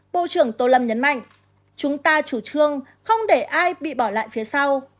bộ trưởng tô lâm nhấn mạnh chúng ta chủ trương không để ai bị bỏ lại phía sau